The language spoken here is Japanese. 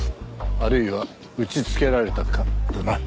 あるいは打ちつけられたかだな。